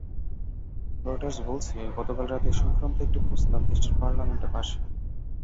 Reuters বলছে, গতকাল রাতে এ-সংক্রান্ত একটি প্রস্তাব দেশটির পার্লামেন্টে পাস হয়।